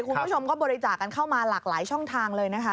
คุณผู้ชมก็บริจาคกันเข้ามาหลากหลายช่องทางเลยนะคะ